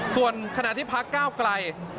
ส่วนขณะที่พักก้าวไกล